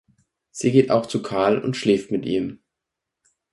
Sie geht auch zu Karl und schläft mit ihm.